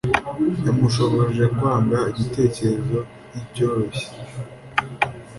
yamushoboje kwanga igitekerezo nkicyoroshye.